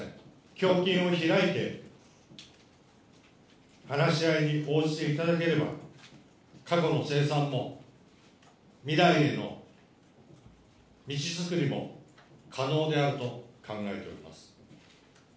胸襟を開いて、話し合いに応じていただければ、過去の清算も、未来への道作りも可能であると考えております。